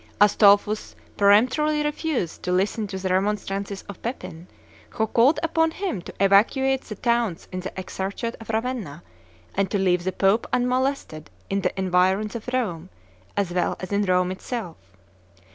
Astolphus peremptorily refused to listen to the remonstrances of Pepin, who called upon him to evacuate the towns in the exarchate of Ravenna, and to leave the Pope unmolested in the environs of Rome as well as in Rome itself.